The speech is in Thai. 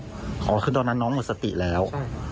ตอนเพื่อนผมแจ้งมาแล้ว